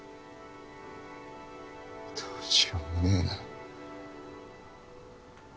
どうしようもねえな